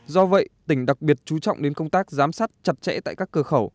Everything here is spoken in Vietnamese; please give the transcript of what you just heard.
do vậy tỉnh đặc biệt chú trọng đến công tác giám sát chặt chẽ tại các cửa khẩu